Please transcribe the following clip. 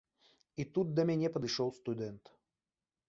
І тут да мяне падышоў студэнт.